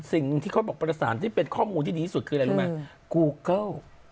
สิ่งที่เขาบอกประสานที่เป็นข้อมูลที่ดีที่สุดคืออะไรรู้ไหมกูเกิ้ล